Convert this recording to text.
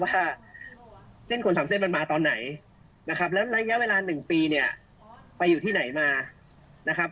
ว่าเส้นคนสามเส้นมันมาตอนไหนนะครับแล้วระยะเวลา๑ปีเนี่ยไปอยู่ที่ไหนมานะครับ